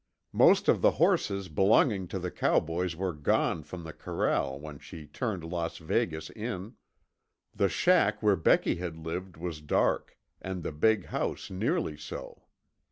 Most of the horses belonging to the cowboys were gone from the corral when she turned Las Vegas in. The shack where Becky had lived was dark, and the big house nearly so.